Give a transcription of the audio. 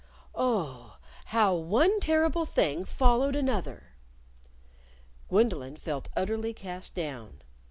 Oh, how one terrible thing followed another! Gwendolyn felt utterly cast down.